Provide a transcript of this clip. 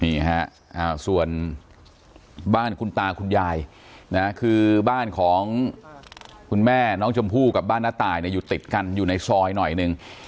นี่ฮะส่วนบ้านคุณตาคุณยายนะคือบ้านของคุณแม่น้องชมพู่กับบ้านน้าตายเนี่ยอยู่ติดกันอยู่ในซอยหน่อยหนึ่ง